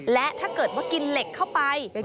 และถ้าเกิดว่ากินเหล็กเข้าไป